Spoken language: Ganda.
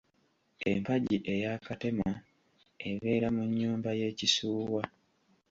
Empagi eya Katema ebeera mu nnyumba y’ekisuuwa.